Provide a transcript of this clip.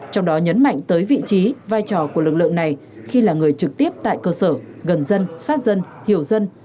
trong đó nhấn mạnh tới vị trí vai trò của lực lượng này khi là người trực tiếp tại cơ sở gần dân sát dân hiểu dân